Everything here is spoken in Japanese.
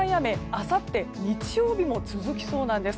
あさって日曜日も続きそうなんです。